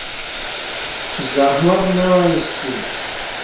زحمت نہ وَ عݩسی